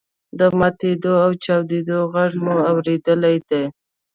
د ماتیدو او چاودلو غږ مو اوریدلی دی.